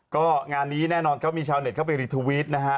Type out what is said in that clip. ก็งานนี้แน่นอนเขามีชาวเน็ตเข้าไปรีทวิตนะฮะ